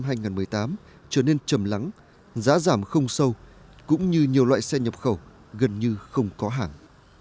năm hai nghìn một mươi tám trở nên chầm lắng giá giảm không sâu cũng như nhiều loại xe nhập khẩu gần như không có hàng